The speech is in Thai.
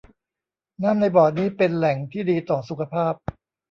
น้ำในบ่อน้ำนี้เป็นแหล่งที่ดีต่อสุขภาพ